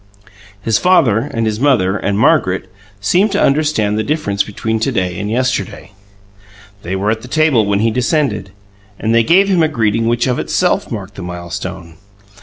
His father and his mother and Margaret seemed to understand the difference between to day and yesterday. They were at the table when he descended, and they gave him a greeting which of itself marked the milestone.